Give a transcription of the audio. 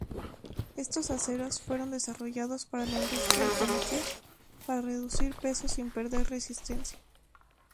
Estos aceros fueron desarrollados para la industria automotriz, para reducir peso sin perder resistencia.